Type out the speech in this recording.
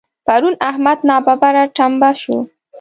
پرون احمد ناببره ټمبه شو.